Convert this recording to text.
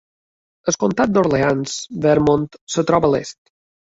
El comtat d'Orleans, Vermont, es troba a l'est.